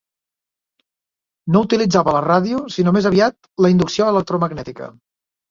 No utilitzava la ràdio, sinó més aviat la inducció electromagnètica.